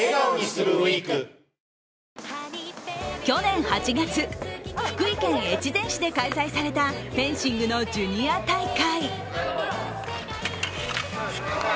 去年８月、福井県越前市で開催されたフェンシングのジュニア大会。